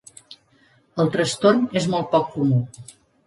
El trastorn és molt poc comú.